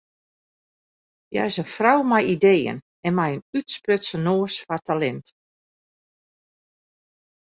Hja is in frou mei ideeën en mei in útsprutsen noas foar talint.